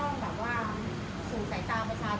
มีครับ